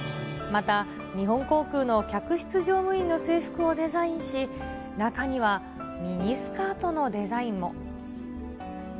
また、日本航空の客室乗務員の制服をデザインし、中にはミニスカートのデザインも。